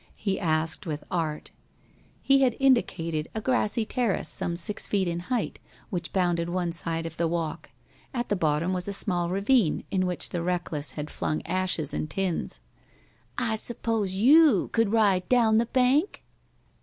he asked, with art. He had indicated a grassy terrace some six feet in height which bounded one side of the walk. At the bottom was a small ravine in which the reckless had flung ashes and tins. "I s'pose you could ride down that bank?"